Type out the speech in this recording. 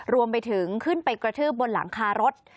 รวมไปถึงขึ้นไปกระทืบบนหลังคารถ